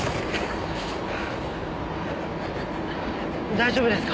大丈夫ですか？